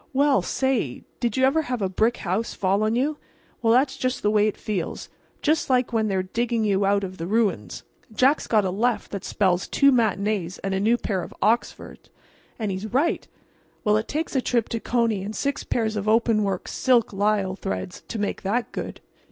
"Well, say—did you ever have a brick house fall on you?—well, that's just the way it feels—just like when they're digging you out of the ruins. Jack's got a left that spells two matinees and a new pair of Oxfords—and his right!—well, it takes a trip to Coney and six pairs of openwork, silk lisle threads to make that good."